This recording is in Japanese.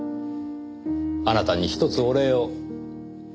あなたにひとつお礼を。